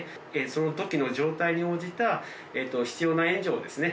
その時の状態に応じた必要な援助をですね